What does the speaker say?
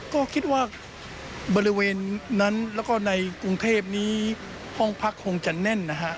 ก็คิดว่าบริเวณนั้นแล้วก็ในกรุงเทพนี้ห้องพักคงจะแน่นนะฮะ